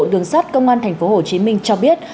đường sát công an tp hcm cho biết